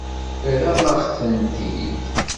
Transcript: Terram-aɣ-tent-id.